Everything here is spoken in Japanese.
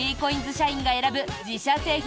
社員が選ぶ自社製品